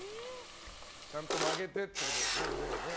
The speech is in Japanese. ちゃんと曲げてってことですね腕をね。